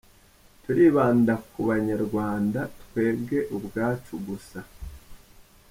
Turibanda ku Abanyarwanda twebwe ubwacu gusa.